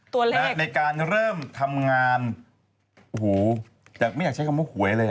ในการเริ่มทำงานโอ้โหแต่ไม่อยากใช้คำว่าหวยเลย